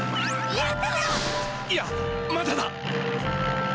いやまだだ！